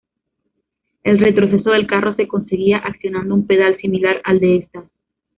El retroceso del carro se conseguía accionando un pedal similar al de estas.